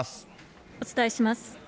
お伝えします。